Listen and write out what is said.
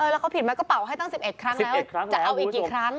แล้วเขาผิดไหมกระเป๋าให้ตั้ง๑๑ครั้งแล้วจะเอาอีกกี่ครั้ง